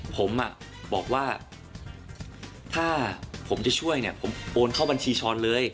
ผมบอกว่าถ้าผมจะช่วยเนี่ยผมโอนเข้าบัญชีช้อนเลย